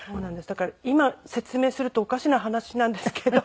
だから今説明するとおかしな話なんですけど。